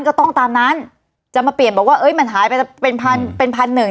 ก็ต้องตามนั้นจะมาเปลี่ยนบอกว่าเอ้ยมันหายไปเป็นพันเป็นพันหนึ่ง